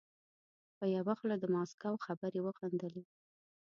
په یوه خوله د ماسکو خبرې وغندلې.